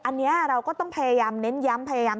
อันนี้เราก็ต้องพยายามเน้นย้ำ